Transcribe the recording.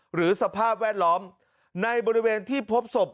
สภาพแวดล้อมในบริเวณที่พบศพ